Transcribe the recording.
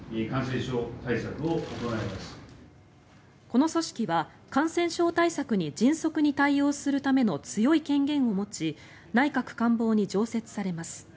この組織は感染症対策に迅速に対応するための強い権限を持ち内閣官房に常設されます。